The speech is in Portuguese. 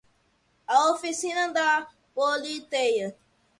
A oficina da Politeia